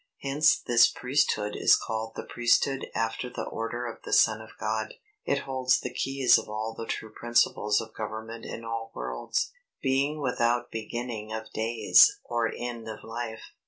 Hence this Priesthood is called the Priesthood after the order of the Son of God. It holds the keys of all the true principles of government in all worlds, being without beginning of days or end of life.